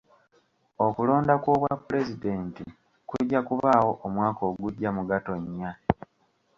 Okulonda kw'obwa pulezidenti kujja kubaawo omwaka ogujja mu Gatonnya.